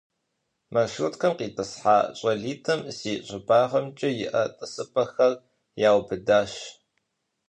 Маршруткэм къитӀысхьа щӀалитӀым си щӀыбагъымкӀэ иӀэ тӀысыпӀэхэр яубыдащ.